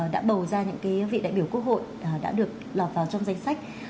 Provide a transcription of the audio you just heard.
đã bầu ra những vị đại biểu quốc hội đã được lọt vào trong danh sách